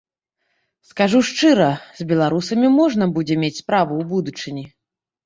Скажу шчыра, з беларусамі можна будзе мець справу ў будучыні.